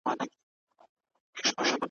له منګولو د پړانګانو د زمریانو ,